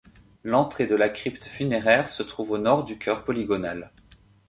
L'entrée de la crypte funéraire se trouve au nord du chœur polygonal.